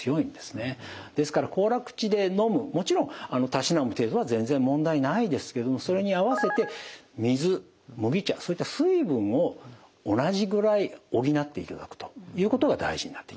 ですから行楽地で飲むもちろんたしなむ程度は全然問題ないですけどもそれに合わせて水麦茶そういった水分を同じぐらい補っていただくということが大事になってきます。